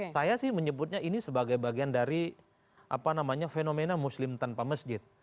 saya sih menyebutnya ini sebagai bagian dari fenomena muslim tanpa masjid